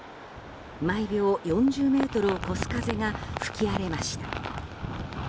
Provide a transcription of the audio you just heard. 毎秒４０メートルを超す風が吹き荒れました。